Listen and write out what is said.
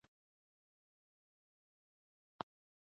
که بم نه وای، نو کلک به وای.